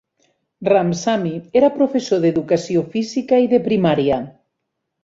Ramsamy era professor d'educació física i de primària.